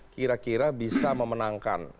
kira kira bisa memenangkan